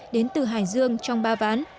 đến từ hải dương trong ba bán